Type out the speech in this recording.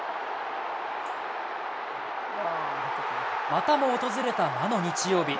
またも訪れた魔の日曜日。